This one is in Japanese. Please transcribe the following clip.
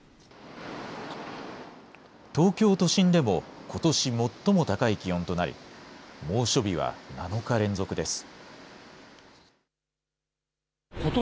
東京都心でも、ことし最も高い気温となり、猛暑日は７日連続です。